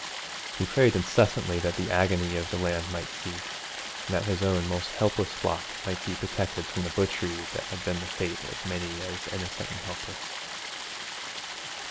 He prayed incessantly that the agony of the land might cease, and that his own most helpless flock might be protected from the butchery that had been the fate of many as innocent and helpless.